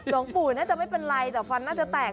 หลวงปู่น่าจะไม่เป็นไรแต่ฟันน่าจะแตก